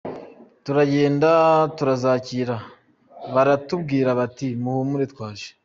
Turagenda turazakira baratubwira bati ‘muhumure twaje’.